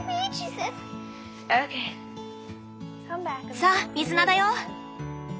さあ水菜だよ。